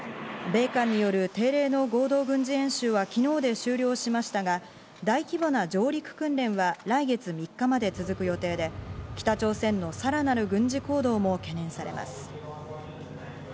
米韓による定例の合同軍事演習は昨日で終了しましたが、大規模な上陸訓練は来月３日まで続く予定で、北朝鮮のさらなる軍事行動も懸念されます。